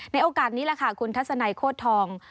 ในโอกาสนี้ล่ะค่ะคุณทัศนัยโฆษธอง